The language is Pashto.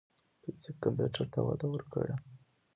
فزیک کمپیوټر ته وده ورکړه.